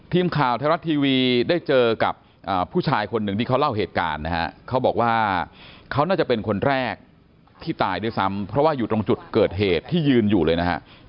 ทีมข่าวไทยรัฐทีวีได้เจอกับผู้ชายคนหนึ่งที่เขาเล่าเหตุการณ์นะฮะเขาบอกว่าเขาน่าจะเป็นคนแรกที่ตายด้วยซ้ำเพราะว่าอยู่ตรงจุดเกิดเหตุที่ยืนอยู่เลยนะฮะ